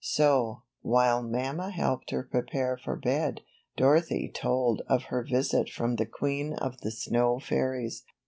So, while mamma helped her prepare for bed, Dorothy told of her visit from the queen of the snow fairies.